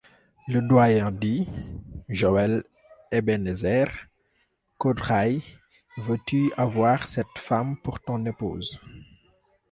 Le doyen dit: — Joë Ebenezer Caudray, veux-tu avoir cette femme pour ton épouse?